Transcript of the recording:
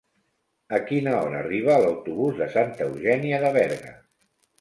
A quina hora arriba l'autobús de Santa Eugènia de Berga?